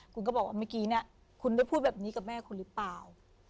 คุณก็บอกว่าเมื่อกี้เนี่ยคุณได้พูดแบบนี้กับแม่คุณหรือเปล่า